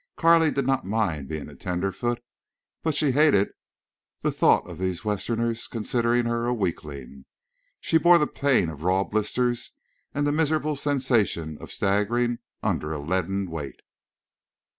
Carley did not mind being a tenderfoot, but she hated the thought of these Westerners considering her a weakling. So she bore the pain of raw blisters and the miserable sensation of staggering on under a leaden weight.